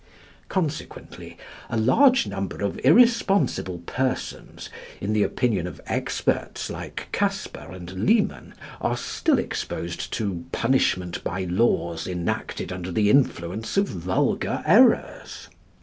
Consequently, a large number of irresponsible persons, in the opinion of experts like Casper and Liman, are still exposed to punishment by laws enacted under the influence of vulgar errors.